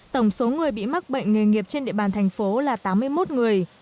tổng số người bị mắc bệnh nghề nghiệp trên địa bàn thành phố là tám mươi một người